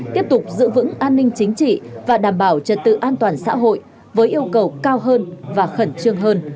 tiếp tục giữ vững an ninh chính trị và đảm bảo trật tự an toàn xã hội với yêu cầu cao hơn và khẩn trương hơn